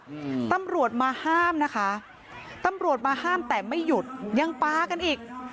อืมตำรวจมาห้ามนะคะตำรวจมาห้ามแต่ไม่หยุดยังปลากันอีก